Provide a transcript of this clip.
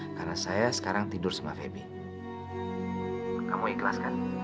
aku harus berangkat kerja